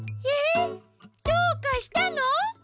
えっどうかしたの？